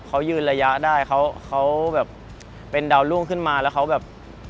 เขายืนระยะได้เขาแบบเป็นดาวรุ่งขึ้นมาแล้วเขาแบบ